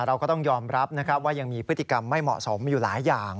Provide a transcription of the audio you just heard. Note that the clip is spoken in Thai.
เราก็ต้องยอมรับนะครับว่ายังมีพฤติกรรมไม่เหมาะสมอยู่หลายอย่าง